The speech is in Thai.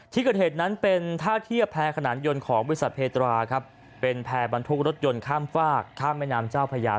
ที่เกิดเหตุนั้นเป็นท่าเทียบแพร่ขนานยนต์ของบริษัทเพตราครับเป็นแพร่บรรทุกรถยนต์ข้ามฝากข้ามแม่น้ำเจ้าพญา